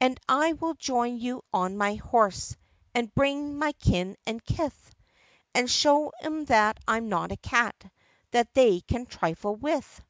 "And I will join you on my horse And bring my kin and kith And show 'em that I 'm not a cat That they can trifle with.